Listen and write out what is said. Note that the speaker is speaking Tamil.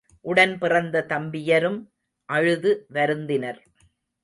உடன் பிறந்த தம்பியரும் அழுது வருந்தினர்.